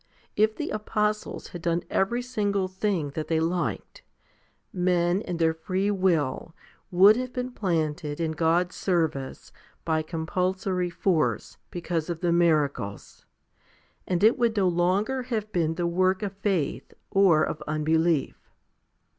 mankind. 2 2 Cor. xi. 32 f. i88 FIFTY SPIRITUAL HOMILIES the apostles had done every single thing that they liked, men and their free will would have been planted in God's service by compulsory force because of the miracles, and it would no longer have been the work of faith or of unbelief.